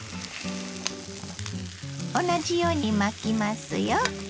同じように巻きますよ。